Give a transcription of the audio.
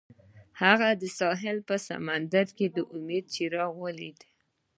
هغه د ساحل په سمندر کې د امید څراغ ولید.